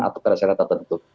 atau perasal yang tak tentu